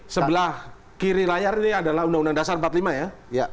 sebelah kiri layar ini adalah undang undang dasar empat puluh lima ya